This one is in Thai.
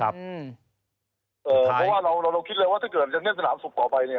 เพราะว่าเราคิดเลยว่าถ้าเกิดยังเล่นสนามสุขต่อไปเนี่ย